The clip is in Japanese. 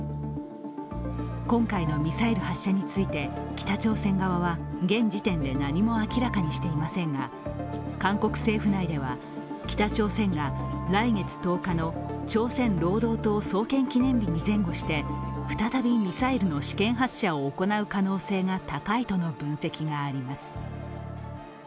今回のミサイル発射について北朝鮮側は現時点で何も明らかにしていませんが、韓国政府内では北朝鮮が来月１０日の朝鮮労働党創建記念日に前後して再びミサイルの試験発射を行う可能性が高いという分析もあります。